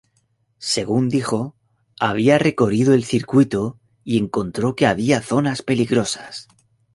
Según dijo, había recorrido el circuito y encontró que había zonas peligrosas.